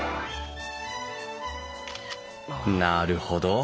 なるほど。